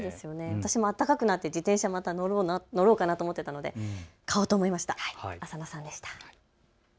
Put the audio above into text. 私も暖かくなって自転車を乗ろうと思っていたので買おうと思いました。